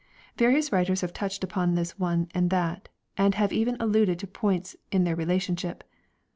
Various writers have touched upon this one and that, and have even alluded to points in their relationship.